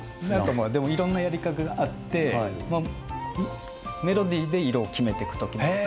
でもいろんなやり方があってメロディーで色を決めて行く時もあるし。